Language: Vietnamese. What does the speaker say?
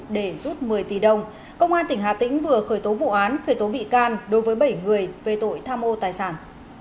để rút một mươi tỷ đồng công an tỉnh hà tĩnh vừa khởi tố vụ án khởi tố bị can đối với bảy người về tội tham ô tài sản